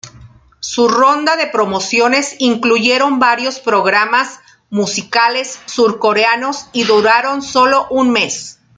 Su ronda de promociones incluyeron varios programas musicales surcoreanos y duraron solo un mes.